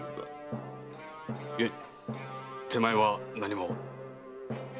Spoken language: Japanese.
いえ手前は何も。